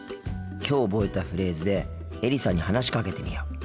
きょう覚えたフレーズでエリさんに話しかけてみよう。